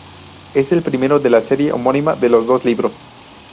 Es el primero de la serie homónima de dos libros.